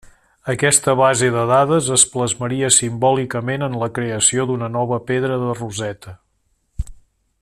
Aquesta base de dades es plasmaria simbòlicament en la creació d'una nova pedra de Rosetta.